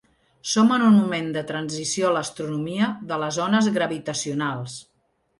Som en un moment de transició a l’astronomia de les ones gravitacionals.